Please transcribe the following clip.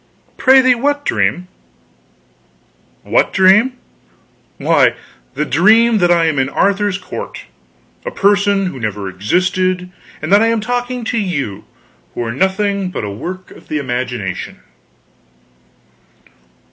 "Prithee what dream?" "What dream? Why, the dream that I am in Arthur's court a person who never existed; and that I am talking to you, who are nothing but a work of the imagination."